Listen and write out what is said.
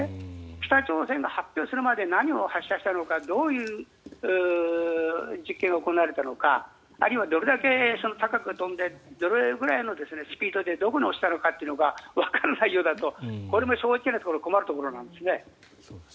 北朝鮮が発表するまで何を発射したのかどういう実験が行われたのかあるいはどれだけ高く飛んでどれぐらいのスピードでどこに落ちたのかというのがわからないようだとこれも正直なところ困るところなんですね。